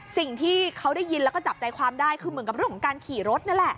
สิ่งที่เขาได้ยินแล้วก็จับใจความได้คือเหมือนกับเรื่องของการขี่รถนั่นแหละ